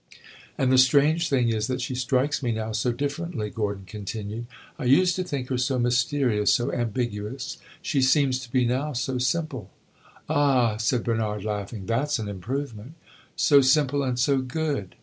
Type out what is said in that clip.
"And the strange thing is that she strikes me now so differently," Gordon continued. "I used to think her so mysterious so ambiguous. She seems to be now so simple." "Ah," said Bernard, laughing, "that's an improvement!" "So simple and so good!"